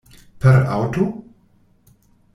Per aŭto?